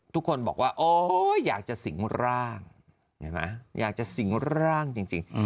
ทุกคนบอกว่าอยากจะสิงร่างอยากจะสิงร่างจริง